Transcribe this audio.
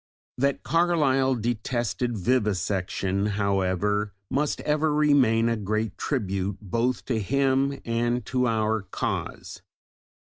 That Carlyle detested vivisection, however, must ever remain a great tribute both to him and to our cause.